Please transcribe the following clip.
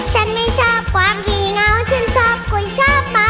ฉันไม่ชอบภาคพี่เหงาฉันชอบคุยช้าเปล่า